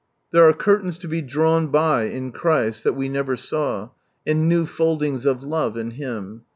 "There are curtains to be drawn by in Christ that we never saw, and new foldings of love in Him.